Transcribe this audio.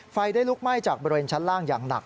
ไฟได้ลุกไหม้จากบริเวณชั้นล่างอย่างหนัก